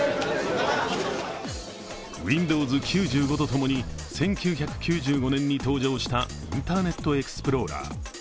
９５とともに１９９５年に登場したインターネットエクスプローラー。